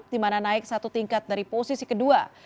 di mana naik satu tingkat dari posisi kedua